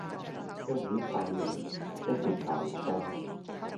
一碗細擁，一碟油菜